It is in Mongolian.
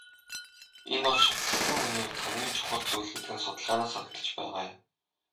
Энэ бол шүтлэгтэн хүний хувьд хамгийн чухал зүйл гэдэг нь судалгаанаас харагдаж байгаа юм.